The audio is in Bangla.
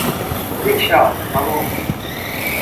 রিকশা, থামো।